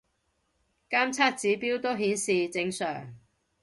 監測指標都顯示正常